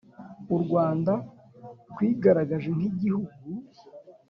u rwanda rwigaragaje nk igihugu